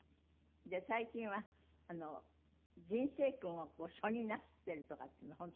最近は人生訓を書になすってるとかっていうのは本当？